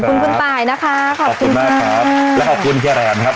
ขอบคุณคุณป่ายนะคะขอบคุณค่ะขอบคุณมากครับและขอบคุณเฮียแหลนนะครับ